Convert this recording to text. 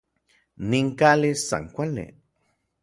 Nin kali san kuali.